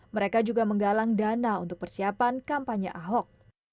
mereka juga menggalang dana untuk persiapan kampanye ahok